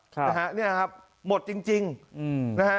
ค่ะนะฮะเนี่ยครับหมดจริงจริงอืมนะฮะ